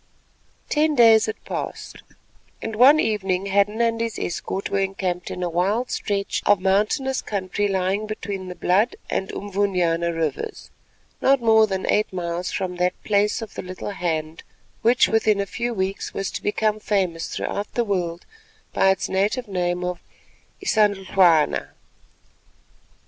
Ten days had passed, and one evening Hadden and his escort were encamped in a wild stretch of mountainous country lying between the Blood and Unvunyana Rivers, not more than eight miles from that "Place of the Little Hand" which within a few weeks was to become famous throughout the world by its native name of Isandhlwana.